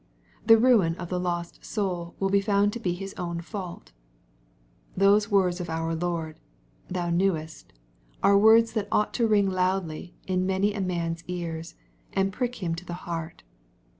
The ruin of the lost soul will be found to be his own fault. Those words of our Lord, " thou knewest," arc words that ought to ring loudly in many a man's ears, and prick him to the heart.